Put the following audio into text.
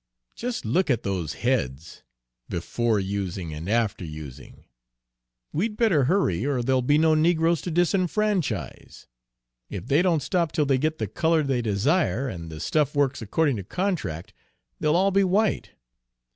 "Just look at those heads! 'Before using' and 'After using.' We'd better hurry, or there'll be no negroes to disfranchise! If they don't stop till they get the color they desire, and the stuff works according to contract, they'll all be white.